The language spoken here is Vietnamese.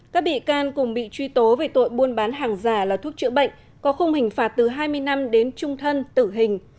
các bị can cùng bị truy tố về tội buôn bán hàng giả là thuốc chữa bệnh có khung hình phạt từ hai mươi năm đến trung thân tử hình